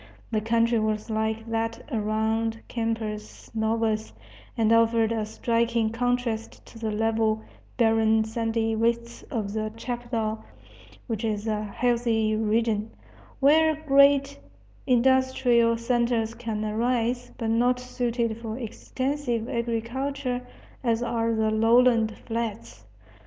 The country was like that around Campos Novos, and offered a striking contrast to the level, barren, sandy wastes of the chapadao, which is a healthy region, where great industrial centres can arise, but not suited for extensive agriculture as are the lowland flats.